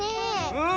うん！